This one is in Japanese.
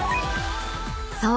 ［そう。